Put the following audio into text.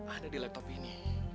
ada di laptop ini